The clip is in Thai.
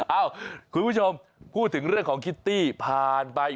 คุณผู้ชมพูดถึงเรื่องของคิตตี้ผ่านไป